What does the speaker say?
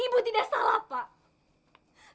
ibu tidak salah pak